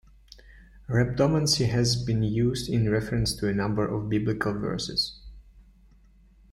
Rhabdomancy has been used in reference to a number of Biblical verses.